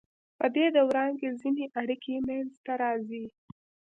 پدې دوران کې ځینې اړیکې منځ ته راځي.